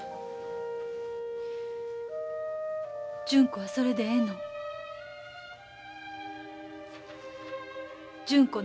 純子はそれでええのん？